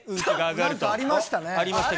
なんかありましたね。